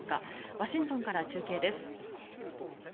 ワシントンから中継です。